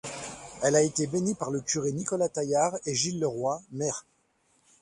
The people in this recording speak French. Elle a été bénie par le curé Nicolas Taillart et Gille Le Roy, maire.